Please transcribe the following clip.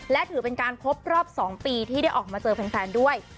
และถือเป็นการครบรอบ๒ปีที่ได้ออกมาเจอแฟนด้วย